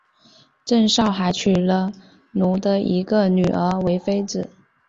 郑昭还娶了努的一个女儿为妃子。